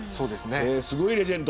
すごいレジェンド。